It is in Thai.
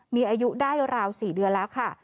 มีอายุได้ราว๔เดือนแล้วค่ะ